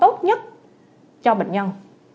phôi tốt nhất cho bệnh nhân